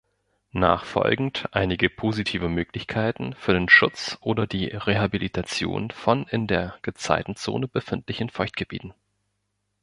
Nachfolgend einige positive Möglichkeiten für den Schutz oder die Rehabilitation von in der Gezeitenzone befindlichen Feuchtgebieten.